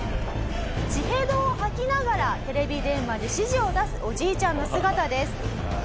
血へどを吐きながらテレビ電話で指示を出すおじいちゃんの姿です。